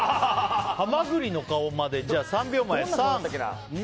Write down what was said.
ハマグリの顔まで３秒前。